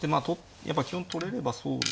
やっぱ基本取れればそうですね。